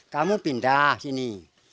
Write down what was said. kamu pindah sini